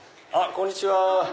こんにちは。